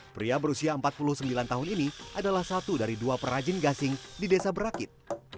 pria berusia empat puluh sembilan tahun ini adalah satu dari dua perajin gasing di desa berakit